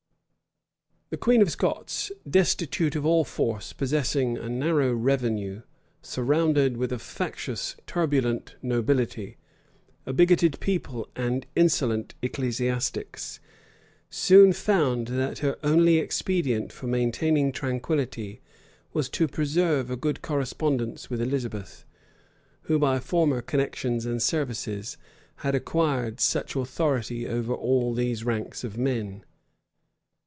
The queen of Scots, destitute of all force, possessing a narrow revenue, surrounded with a factious, turbulent nobility, a bigoted people, and insolent ecclesiastics, soon found that her only expedient for maintaining tranquillity was to preserve a good correspondence with Elizabeth,[*] who, by former connections and services, had acquired such authority over all these ranks of men.